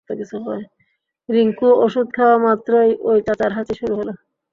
রিংকু ওষুধ খাওয়া মাত্রই ঐ চাচার হাঁচি শুরু হল।